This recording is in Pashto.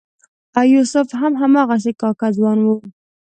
یوسف هم هماغسې کاکه ځوان و.